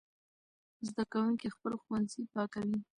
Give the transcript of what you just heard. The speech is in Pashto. زده کوونکي خپل ښوونځي پاکوي.